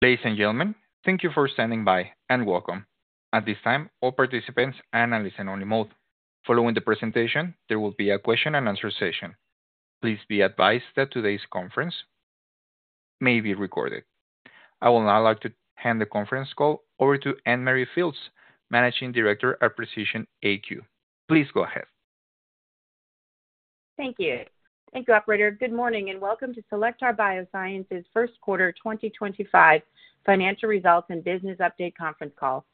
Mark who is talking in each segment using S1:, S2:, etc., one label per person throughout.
S1: Ladies and gentlemen, thank you for standing by and welcome. At this time, all participants are in a listen-only mode. Following the presentation, there will be a question-and-answer session. Please be advised that today's conference may be recorded. I will now like to hand the conference call over to Anne Marie Fields, Managing Director at Precision AQ. Please go ahead.
S2: Thank you. Thank you, operator. Good morning and welcome to Cellectar Biosciences' First Quarter 2025 Financial Results and Business Update Conference Call.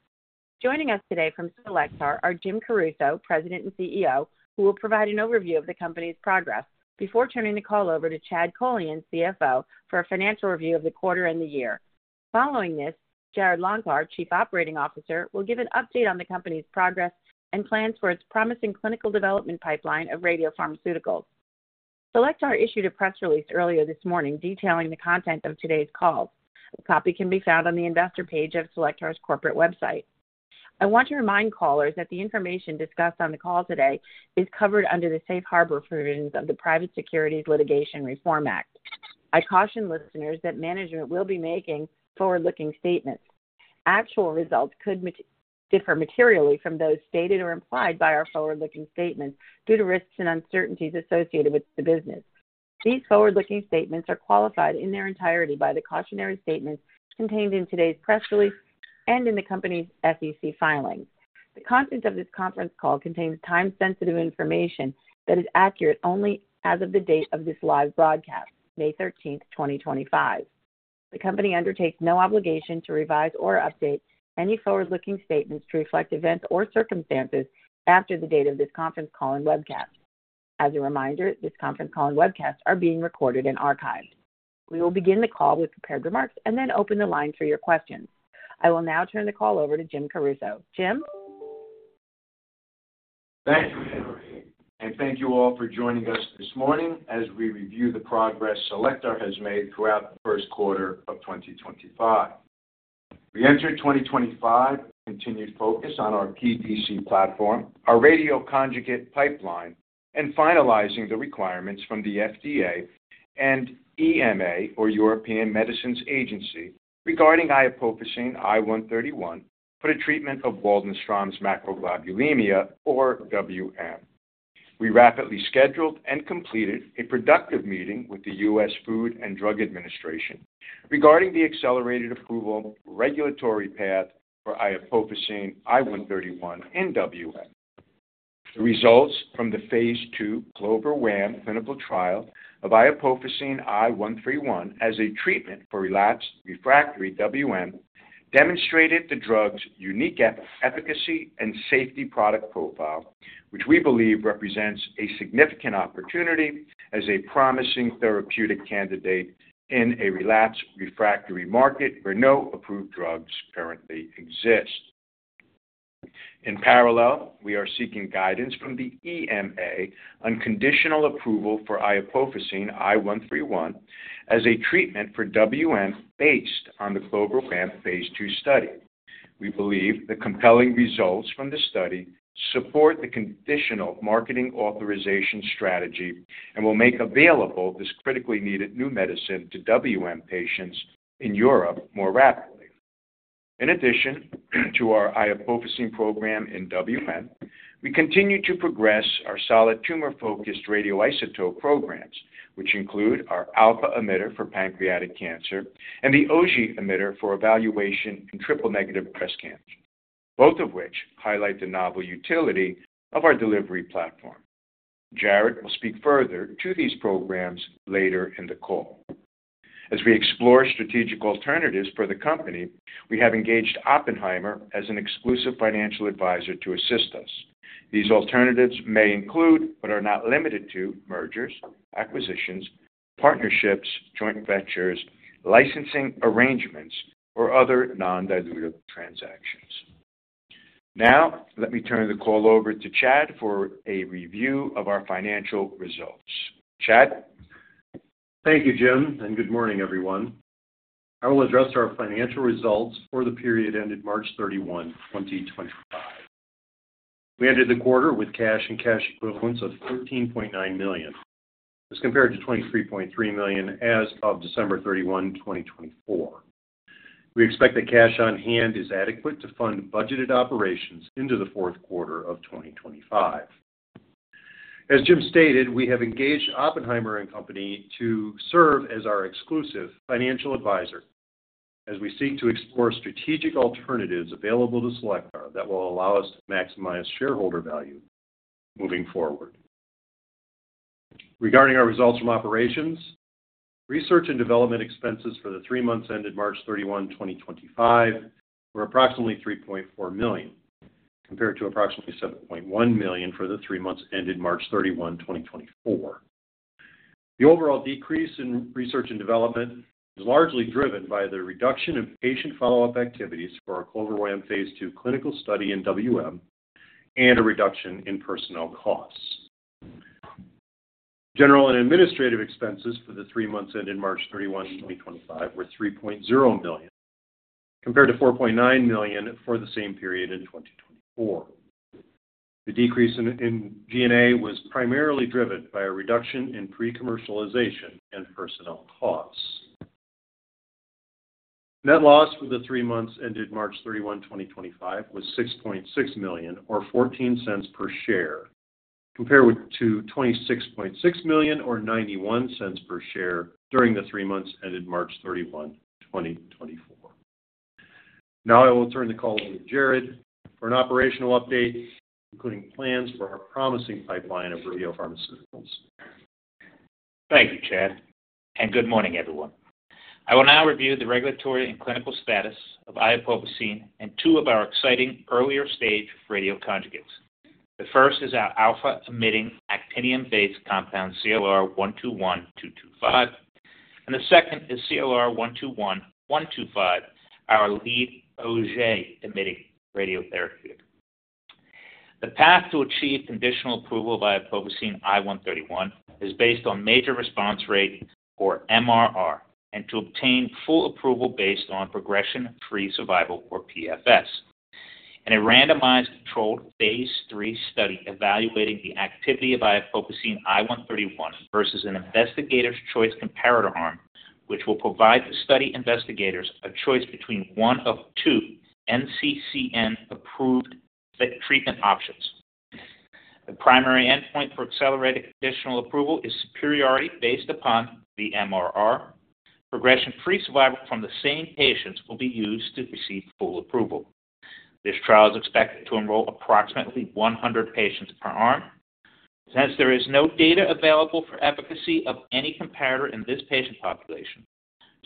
S2: Joining us today from Cellectar are Jim Caruso, President and CEO, who will provide an overview of the company's progress, before turning the call over to Chad Kolean, CFO, for a financial review of the quarter and the year. Following this, Jarrod Longcor, Chief Operating Officer, will give an update on the company's progress and plans for its promising clinical development pipeline of radiopharmaceuticals. Cellectar issued a press release earlier this morning detailing the content of today's call. A copy can be found on the investor page of Cellectar's corporate website. I want to remind callers that the information discussed on the call today is covered under the safe harbor provisions of the Private Securities Litigation Reform Act. I caution listeners that management will be making forward-looking statements. Actual results could differ materially from those stated or implied by our forward-looking statements due to risks and uncertainties associated with the business. These forward-looking statements are qualified in their entirety by the cautionary statements contained in today's press release and in the company's SEC filings. The contents of this conference call contain time-sensitive information that is accurate only as of the date of this live broadcast, May 13th, 2025. The company undertakes no obligation to revise or update any forward-looking statements to reflect events or circumstances after the date of this conference call and webcast. As a reminder, this conference call and webcast are being recorded and archived. We will begin the call with prepared remarks and then open the line for your questions. I will now turn the call over to Jim Caruso. Jim?
S3: Thank you, Anne. Thank you all for joining us this morning as we review the progress Cellectar has made throughout the first quarter of 2025. We entered 2025 with continued focus on our PDC platform, our radioconjugate pipeline, and finalizing the requirements from the FDA and EMA, or European Medicines Agency, regarding iopofosine I 131 for the treatment of Waldenström's macroglobulinemia, or WM. We rapidly scheduled and completed a productive meeting with the U.S. Food and Drug Administration regarding the accelerated approval regulatory path for iopofosine I 131 in WM. The results from the phase II CLOVER-WaM clinical trial of iopofosine I 131 as a treatment for relapsed refractory WM demonstrated the drug's unique efficacy and safety product profile, which we believe represents a significant opportunity as a promising therapeutic candidate in a relapsed refractory market where no approved drugs currently exist. In parallel, we are seeking guidance from the EMA on conditional approval for iopofosine I 131 as a treatment for WM based on the CLOVER-WaM phase II study. We believe the compelling results from the study support the conditional marketing authorization strategy and will make available this critically needed new medicine to WM patients in Europe more rapidly. In addition to our iopofosine program in WM, we continue to progress our solid tumor-focused radioisotope programs, which include our alpha emitter for pancreatic cancer and the Auger emitter for evaluation in triple-negative breast cancer, both of which highlight the novel utility of our delivery platform. Jarrod will speak further to these programs later in the call. As we explore strategic alternatives for the company, we have engaged Oppenheimer as an exclusive financial advisor to assist us. These alternatives may include, but are not limited to, mergers, acquisitions, partnerships, joint ventures, licensing arrangements, or other non-dilutive transactions. Now, let me turn the call over to Chad for a review of our financial results. Chad?
S4: Thank you, Jim, and good morning, everyone. I will address our financial results for the period ended March 31, 2025. We ended the quarter with cash and cash equivalents of $13.9 million. This compared to $23.3 million as of December 31, 2024. We expect that cash on hand is adequate to fund budgeted operations into the fourth quarter of 2025. As Jim stated, we have engaged Oppenheimer & Co to serve as our exclusive financial advisor as we seek to explore strategic alternatives available to Cellectar that will allow us to maximize shareholder value moving forward. Regarding our results from operations, research and development expenses for the three months ended March 31, 2025, were approximately $3.4 million, compared to approximately $7.1 million for the three months ended March 31, 2024. The overall decrease in research and development is largely driven by the reduction in patient follow-up activities for our CLOVER-WaM phase II clinical study in WM and a reduction in personnel costs. General and administrative expenses for the three months ended March 31, 2025, were $3.0 million, compared to $4.9 million for the same period in 2024. The decrease in G&A was primarily driven by a reduction in pre-commercialization and personnel costs. Net loss for the three months ended March 31, 2025, was $6.6 million, or $0.14 per share, compared to $26.6 million, or $0.91 per share, during the three months ended March 31, 2024. Now, I will turn the call over to Jarrod for an operational update, including plans for our promising pipeline of radiopharmaceuticals.
S5: Thank you, Chad. Good morning, everyone. I will now review the regulatory and clinical status of iopofosine and two of our exciting earlier-stage radioconjugates. The first is our alpha-emitting actinium-based compound, CLR 121225, and the second is CLR 121125, our lead Auger-emitting radiotherapeutic. The path to achieve conditional approval of iopofosine I 131 is based on major response rate, or MRR, and to obtain full approval based on progression-free survival, or PFS, in a randomized controlled phase III study evaluating the activity of iopofosine I 131 versus an investigative choice comparator arm, which will provide the study investigators a choice between one of two NCCN-approved treatment options. The primary endpoint for accelerated conditional approval is superiority based upon the MRR. Progression-free survival from the same patients will be used to receive full approval. This trial is expected to enroll approximately 100 patients per arm. Since there is no data available for efficacy of any comparator in this patient population,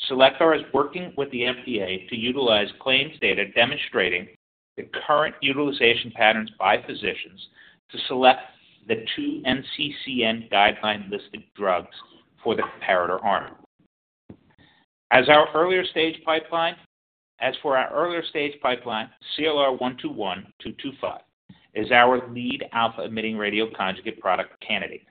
S5: Cellectar is working with the FDA to utilize claims data demonstrating the current utilization patterns by physicians to select the two NCCN-guideline-listed drugs for the comparator arm. As our earlier-stage pipeline, CLR 121225 is our lead alpha-emitting radioconjugate product candidate.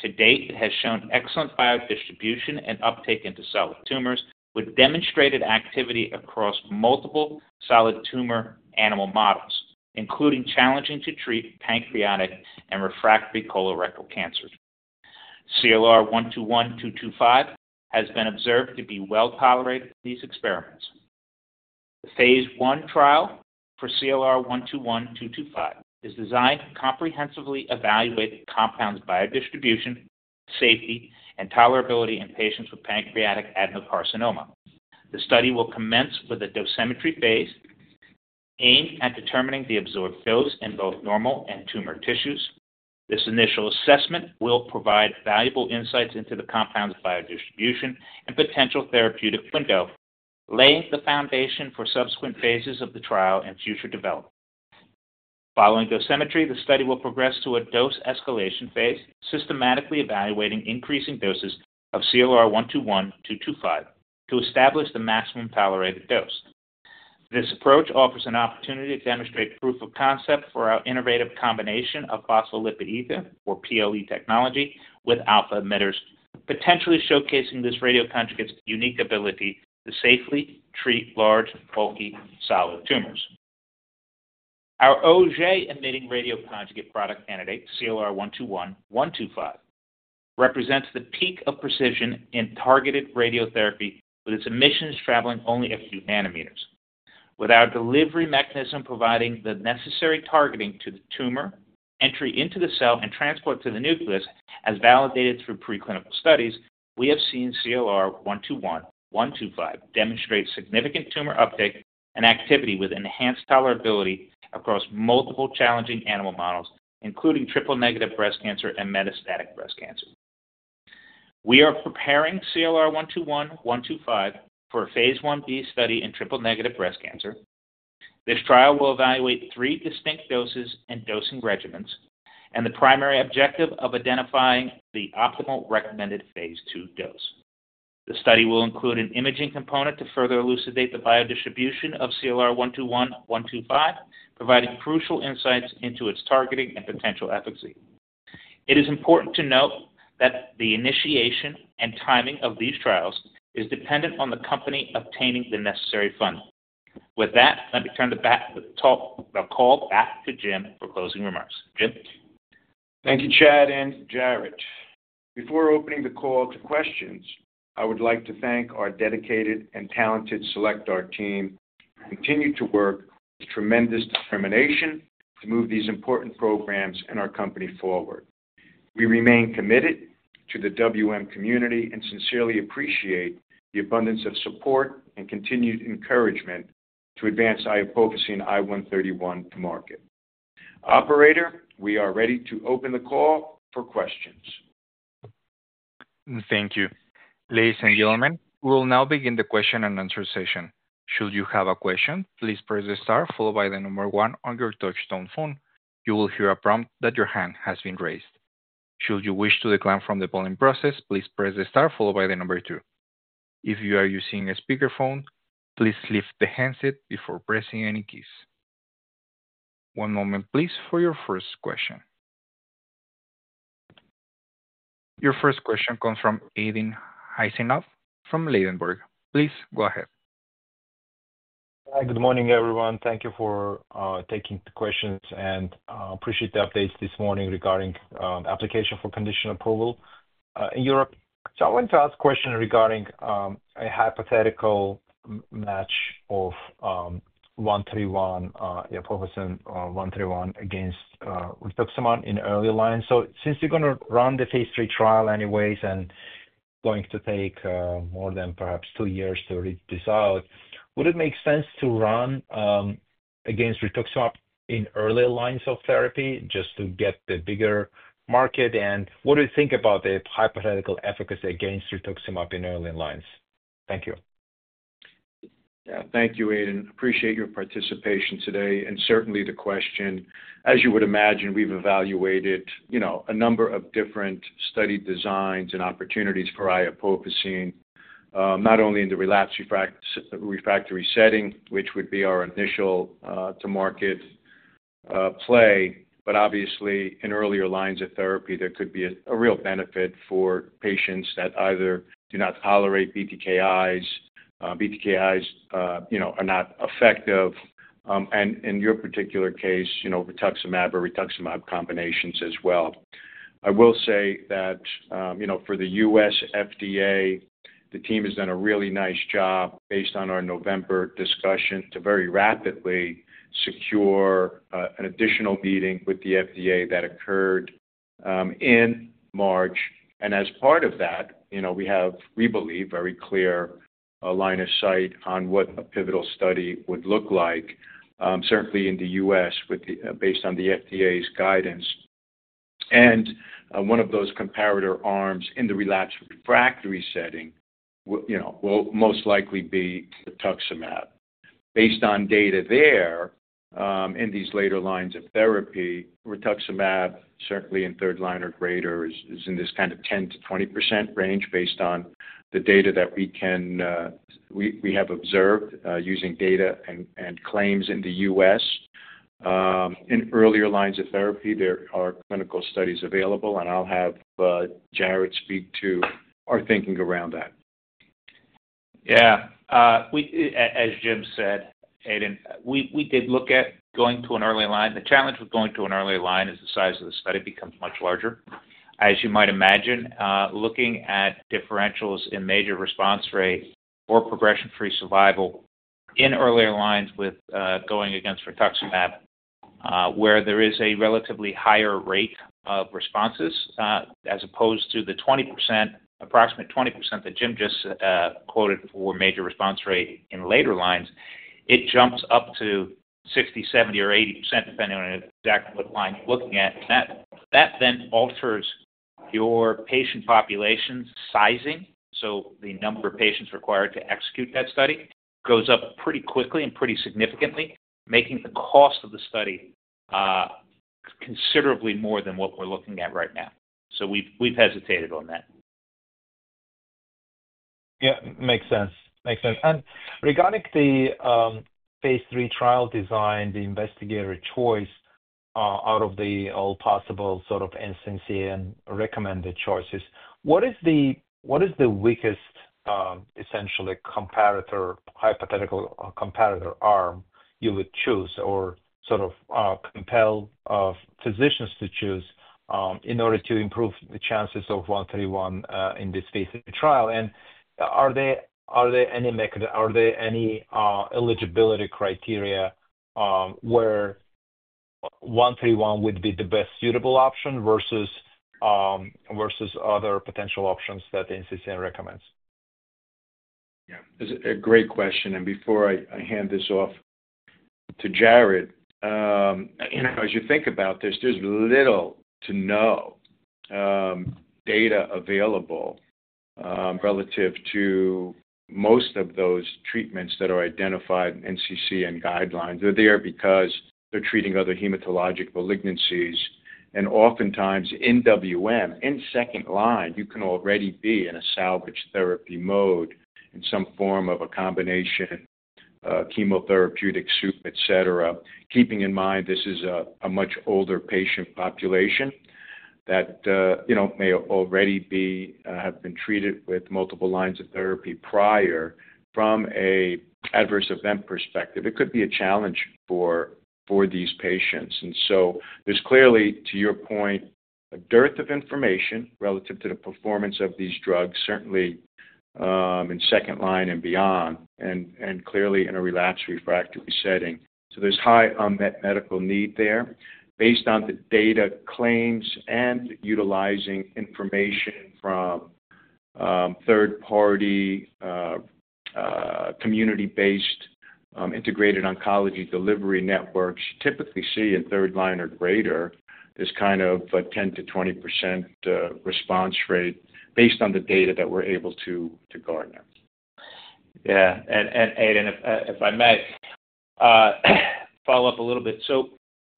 S5: To date, it has shown excellent biodistribution and uptake into solid tumors with demonstrated activity across multiple solid tumor animal models, including challenging-to-treat pancreatic and refractory colorectal cancers. CLR 121225 has been observed to be well-tolerated with these experiments. The phase I trial for CLR 121225 is designed to comprehensively evaluate compounds' biodistribution, safety, and tolerability in patients with pancreatic adenocarcinoma. The study will commence with a dosimetry phase aimed at determining the absorbed dose in both normal and tumor tissues. This initial assessment will provide valuable insights into the compound's biodistribution and potential therapeutic window, laying the foundation for subsequent phases of the trial and future development. Following dosimetry, the study will progress to a dose escalation phase, systematically evaluating increasing doses of CLR 121225 to establish the maximum tolerated dose. This approach offers an opportunity to demonstrate proof of concept for our innovative combination of phospholipid ether, or PLE, technology with alpha emitters, potentially showcasing this radioconjugate's unique ability to safely treat large, bulky solid tumors. Our Auger-emitting radioconjugate product candidate, CLR 121125, represents the peak of precision in targeted radiotherapy, with its emissions traveling only a few nanometers. With our delivery mechanism providing the necessary targeting to the tumor, entry into the cell, and transport to the nucleus, as validated through preclinical studies, we have seen CLR 121125 demonstrate significant tumor uptake and activity with enhanced tolerability across multiple challenging animal models, including triple-negative breast cancer and metastatic breast cancer. We are preparing CLR 121125 for a phase Ib study in triple-negative breast cancer. This trial will evaluate three distinct doses and dosing regimens, and the primary objective of identifying the optimal recommended phase II dose. The study will include an imaging component to further elucidate the biodistribution of CLR 121125, providing crucial insights into its targeting and potential efficacy. It is important to note that the initiation and timing of these trials is dependent on the company obtaining the necessary funding. With that, let me turn the call back to Jim for closing remarks. Jim?
S3: Thank you, Chad and Jarrod. Before opening the call to questions, I would like to thank our dedicated and talented Cellectar team who continue to work with tremendous determination to move these important programs and our company forward. We remain committed to the WM community and sincerely appreciate the abundance of support and continued encouragement to advance iopofosine I 131 to market. Operator, we are ready to open the call for questions.
S1: Thank you. Ladies and gentlemen, we will now begin the question-and-answer session. Should you have a question, please press the star followed by the number one on your touch-tone phone. You will hear a prompt that your hand has been raised. Should you wish to decline from the polling process, please press the star followed by the number two. If you are using a speakerphone, please lift the handset before pressing any keys. One moment, please, for your first question. Your first question comes from Aydin Huseynov from Ladenburg. Please go ahead.
S6: Hi, good morning, everyone. Thank you for taking the questions, and I appreciate the updates this morning regarding the application for conditional approval in Europe. I want to ask a question regarding a hypothetical match of iopofosine I 131 against rituximab in early lines. Since you're going to run the phase III trial anyways and it's going to take more than perhaps two years to reach this out, would it make sense to run against rituximab in early lines of therapy just to get the bigger market? What do you think about the hypothetical efficacy against rituximab in early lines? Thank you.
S3: Yeah, thank you, Aydin. Appreciate your participation today. Certainly the question, as you would imagine, we've evaluated a number of different study designs and opportunities for iopofosine, not only in the relapsed refractory setting, which would be our initial-to-market play, but obviously in earlier lines of therapy, there could be a real benefit for patients that either do not tolerate BTKIs, BTKIs are not effective, and in your particular case, rituximab or rituximab combinations as well. I will say that for the U.S. FDA, the team has done a really nice job based on our November discussion to very rapidly secure an additional meeting with the FDA that occurred in March. As part of that, we have, we believe, a very clear line of sight on what a pivotal study would look like, certainly in the U.S. based on the FDA's guidance. One of those comparator arms in the relapsed refractory setting will most likely be rituximab. Based on data there in these later lines of therapy, rituximab, certainly in third line or greater, is in this kind of 10%-20% range based on the data that we have observed using data and claims in the U.S. In earlier lines of therapy, there are clinical studies available, and I'll have Jarrod speak to our thinking around that.
S5: Yeah. As Jim said, Aydin, we did look at going to an early line. The challenge with going to an early line is the size of the study becomes much larger. As you might imagine, looking at differentials in major response rate or progression-free survival in earlier lines with going against rituximab, where there is a relatively higher rate of responses as opposed to the approximate 20% that Jim just quoted for major response rate in later lines, it jumps up to 60%, 70% or 80%, depending on exactly what line you're looking at. That then alters your patient population sizing, so the number of patients required to execute that study goes up pretty quickly and pretty significantly, making the cost of the study considerably more than what we're looking at right now. We've hesitated on that.
S6: Yeah, makes sense. Makes sense. Regarding the phase III trial design, the investigator choice out of all possible sort of NCCN-recommended choices, what is the weakest essentially hypothetical comparator arm you would choose or sort of compel physicians to choose in order to improve the chances of 131 in this phase III trial? Are there any eligibility criteria where 131 would be the best suitable option versus other potential options that NCCN recommends?
S3: Yeah, this is a great question. Before I hand this off to Jarrod, as you think about this, there's little to no data available relative to most of those treatments that are identified in NCCN guidelines. They're there because they're treating other hematologic malignancies. Oftentimes in WM, in second line, you can already be in a salvage therapy mode in some form of a combination, chemotherapeutic soup, et cetera, keeping in mind this is a much older patient population that may already have been treated with multiple lines of therapy prior from an adverse event perspective. It could be a challenge for these patients. There's clearly, to your point, a dearth of information relative to the performance of these drugs, certainly in second line and beyond, and clearly in a relapsed refractory setting. There's high unmet medical need there. Based on the data claims and utilizing information from third-party community-based integrated oncology delivery networks, you typically see in third line or greater this kind of 10%-20% response rate based on the data that we're able to garner.
S5: Yeah. Aydin, if I may follow up a little bit.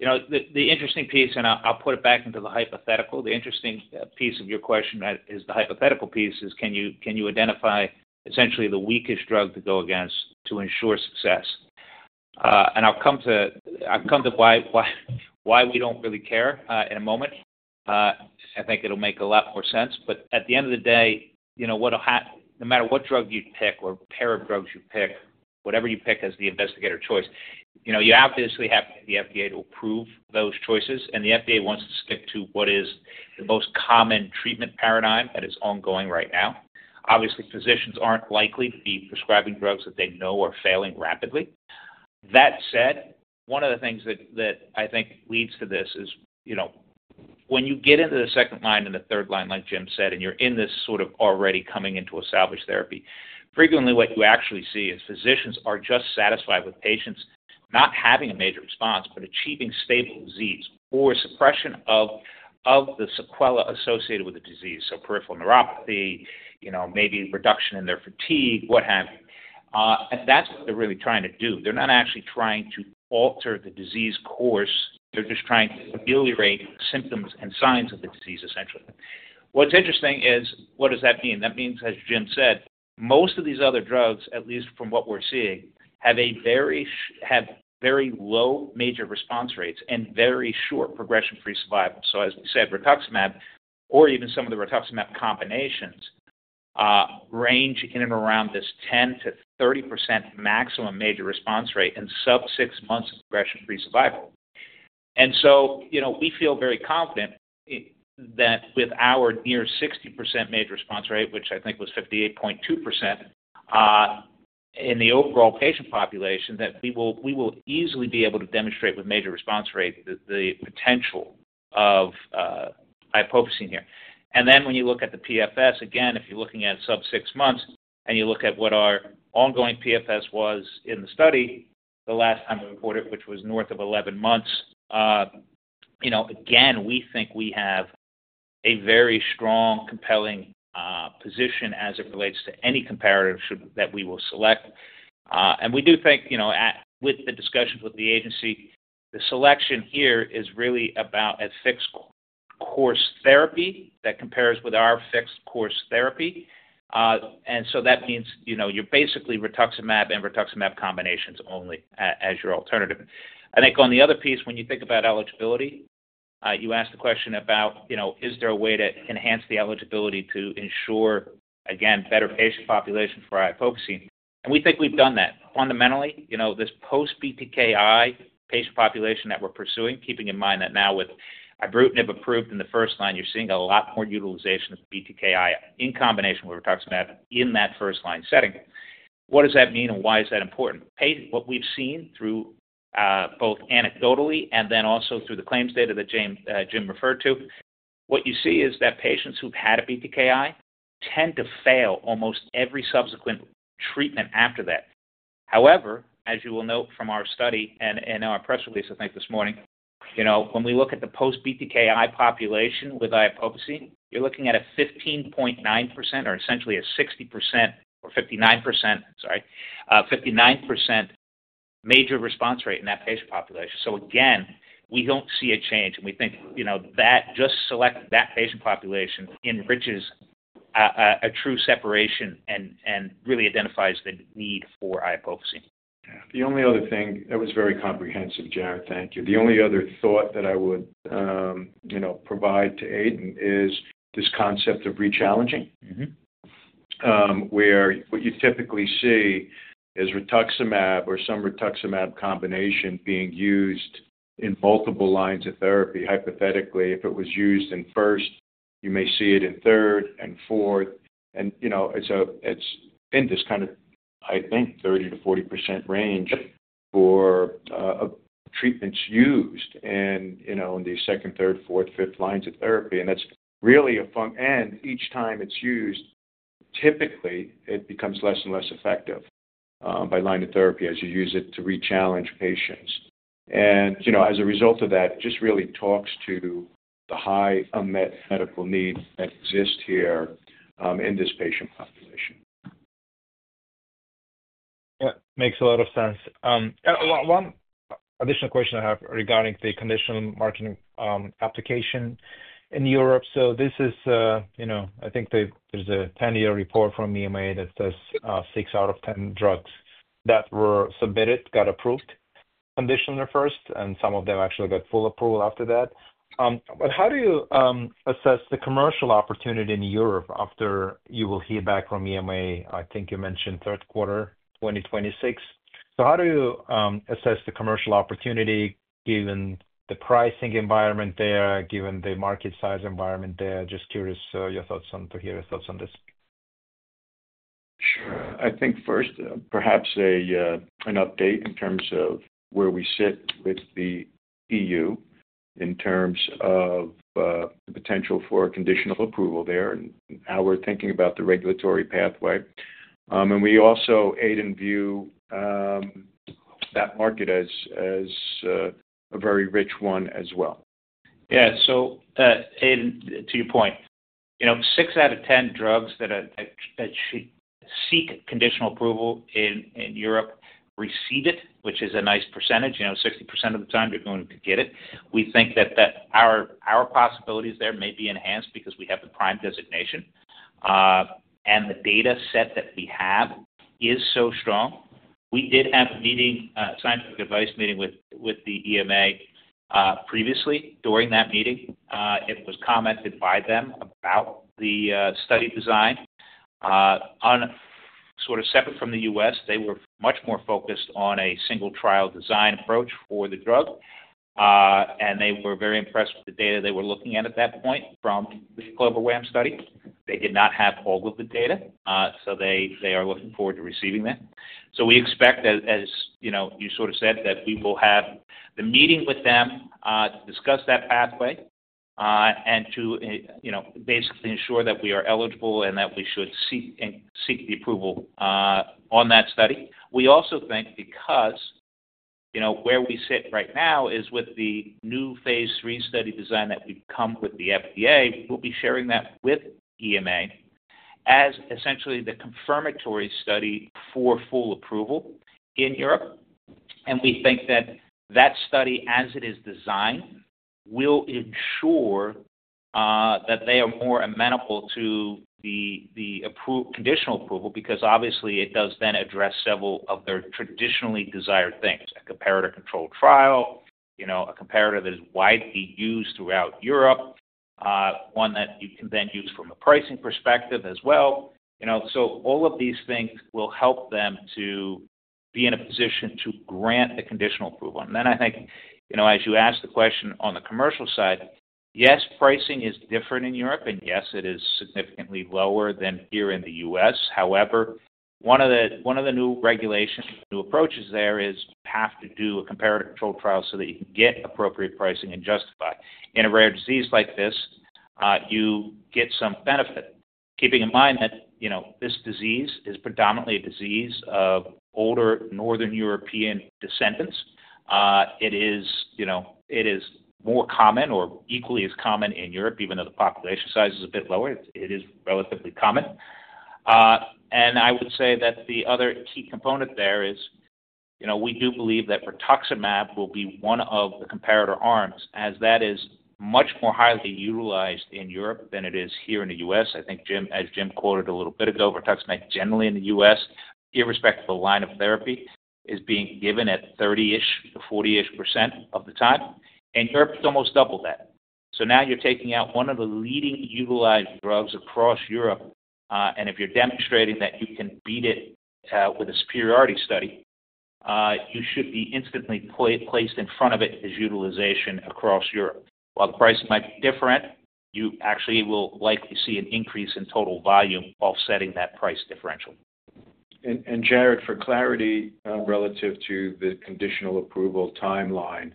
S5: The interesting piece, and I'll put it back into the hypothetical, the interesting piece of your question is the hypothetical piece is, can you identify essentially the weakest drug to go against to ensure success? I'll come to why we do not really care in a moment. I think it will make a lot more sense. At the end of the day, no matter what drug you pick or pair of drugs you pick, whatever you pick as the investigator choice, you obviously have the FDA to approve those choices. The FDA wants to stick to what is the most common treatment paradigm that is ongoing right now. Obviously, physicians are not likely to be prescribing drugs that they know are failing rapidly. That said, one of the things that I think leads to this is when you get into the second line and the third line, like Jim said, and you're in this sort of already coming into a salvage therapy, frequently what you actually see is physicians are just satisfied with patients not having a major response, but achieving stable disease or suppression of the sequelae associated with the disease, so peripheral neuropathy, maybe reduction in their fatigue, what have you. That's what they're really trying to do. They're not actually trying to alter the disease course. They're just trying to ameliorate symptoms and signs of the disease, essentially. What's interesting is, what does that mean? That means, as Jim said, most of these other drugs, at least from what we're seeing, have very low major response rates and very short progression-free survival. As we said, rituximab or even some of the rituximab combinations range in and around this 10%-30% maximum major response rate and sub-6 months of progression-free survival. We feel very confident that with our near 60% major response rate, which I think was 58.2% in the overall patient population, we will easily be able to demonstrate the major response rate the potential of iopofosine here. When you look at the PFS, again, if you're looking at sub-6 months and you look at what our ongoing PFS was in the study the last time we reported it, which was north of 11 months, again, we think we have a very strong, compelling position as it relates to any comparator that we will select. We do think with the discussions with the agency, the selection here is really about a fixed-course therapy that compares with our fixed-course therapy. That means you're basically rituximab and rituximab combinations only as your alternative. I think on the other piece, when you think about eligibility, you asked the question about, is there a way to enhance the eligibility to ensure, again, better patient population for iopofosine? We think we've done that. Fundamentally, this post-BTKI patient population that we're pursuing, keeping in mind that now with ibrutinib approved in the first line, you're seeing a lot more utilization of BTKI in combination with rituximab in that first line setting. What does that mean and why is that important? What we've seen through both anecdotally and then also through the claims data that Jim referred to, what you see is that patients who've had a BTKI tend to fail almost every subsequent treatment after that. However, as you will note from our study and in our press release, I think, this morning, when we look at the post-BTKI population with iopofosine, you're looking at a 15.9% or essentially a 60% or 59%, sorry, 59% major response rate in that patient population. Again, we don't see a change. We think just selecting that patient population enriches a true separation and really identifies the need for iopofosine.
S3: Yeah. The only other thing that was very comprehensive, Jarrod, thank you. The only other thought that I would provide to Aydin is this concept of rechallenging, where what you typically see is rituximab or some rituximab combination being used in multiple lines of therapy. Hypothetically, if it was used in first, you may see it in third and fourth. It is in this kind of, I think, 30%-40% range for treatments used in the second, third, fourth, fifth lines of therapy. That is really a fun and each time it is used, typically it becomes less and less effective by line of therapy as you use it to rechallenge patients. As a result of that, it just really talks to the high unmet medical need that exists here in this patient population.
S6: Yeah, makes a lot of sense. One additional question I have regarding the conditional marketing application in Europe. This is, I think there's a 10-year report from EMA that says 6 out of 10 drugs that were submitted got approved conditionally first, and some of them actually got full approval after that. How do you assess the commercial opportunity in Europe after you will hear back from EMA? I think you mentioned third quarter 2026. How do you assess the commercial opportunity given the pricing environment there, given the market size environment there? Just curious to hear your thoughts on this.
S3: Sure. I think first, perhaps an update in terms of where we sit with the EU in terms of the potential for conditional approval there and how we're thinking about the regulatory pathway. We also, Aydin, view that market as a very rich one as well.
S5: Yeah. Aydin, to your point, six out of 10 drugs that should seek conditional approval in Europe receive it, which is a nice percentage. 60% of the time you're going to get it. We think that our possibilities there may be enhanced because we have the PRIME designation and the data set that we have is so strong. We did have a scientific advice meeting with the EMA previously. During that meeting, it was commented by them about the study design. Sort of separate from the U.S., they were much more focused on a single-trial design approach for the drug. They were very impressed with the data they were looking at at that point from the CLOVER-WaM study. They did not have all of the data, so they are looking forward to receiving that. We expect, as you sort of said, that we will have the meeting with them to discuss that pathway and to basically ensure that we are eligible and that we should seek the approval on that study. We also think because where we sit right now is with the new phase III study design that we've come with the FDA, we'll be sharing that with EMA as essentially the confirmatory study for full approval in Europe. We think that that study, as it is designed, will ensure that they are more amenable to the conditional approval because obviously it does then address several of their traditionally desired things: a comparator-controlled trial, a comparator that is widely used throughout Europe, one that you can then use from a pricing perspective as well. All of these things will help them to be in a position to grant the conditional approval. I think, as you asked the question on the commercial side, yes, pricing is different in Europe, and yes, it is significantly lower than here in the U.S. However, one of the new regulations, new approaches there is you have to do a comparator-controlled trial so that you can get appropriate pricing and justify. In a rare disease like this, you get some benefit, keeping in mind that this disease is predominantly a disease of older Northern European descendants. It is more common or equally as common in Europe, even though the population size is a bit lower. It is relatively common. I would say that the other key component there is we do believe that rituximab will be one of the comparator arms as that is much more highly utilized in Europe than it is here in the U.S. I think, as Jim quoted a little bit ago, rituximab generally in the U.S., irrespective of the line of therapy, is being given at 30%-ish, 40%-ish of the time. In Europe, it's almost double that. Now you're taking out one of the leading utilized drugs across Europe. If you're demonstrating that you can beat it with a superiority study, you should be instantly placed in front of it as utilization across Europe. While the pricing might be different, you actually will likely see an increase in total volume offsetting that price differential.
S3: Jarrod, for clarity relative to the conditional approval timeline,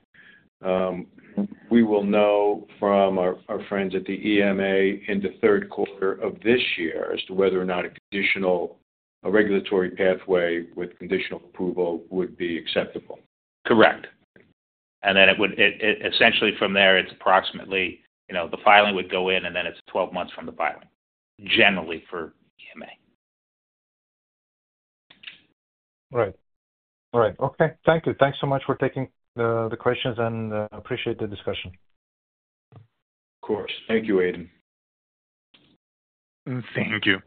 S3: we will know from our friends at the EMA in the third quarter of this year as to whether or not a regulatory pathway with conditional approval would be acceptable.
S5: Correct. Then essentially from there, it's approximately the filing would go in, and then it's 12 months from the filing, generally for EMA.
S6: Right. All right. Okay. Thank you. Thanks so much for taking the questions, and appreciate the discussion.
S3: Of course. Thank you, Aydin.
S1: Thank you.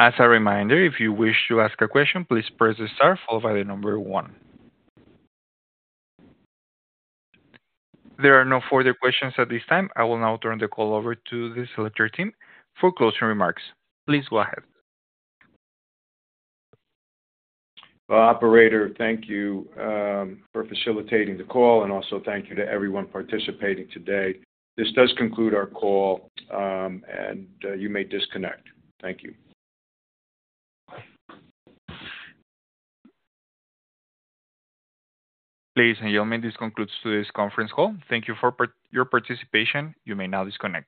S1: As a reminder, if you wish to ask a question, please press the star followed by the number one. There are no further questions at this time. I will now turn the call over to the Cellectar team for closing remarks. Please go ahead.
S3: Operator, thank you for facilitating the call, and also thank you to everyone participating today. This does conclude our call, and you may disconnect. Thank you.
S1: Please, and your may, this concludes today's conference call. Thank you for your participation. You may now disconnect.